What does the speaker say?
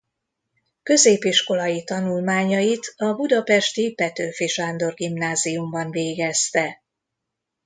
Középiskolai tanulmányait a budapesti Petőfi Sándor Gimnáziumban végezte.